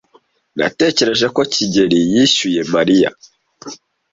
Natekereje ko kigeli yishyuye Mariya,